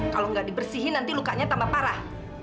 kalau nggak dibersihin nanti lukanya tambah parah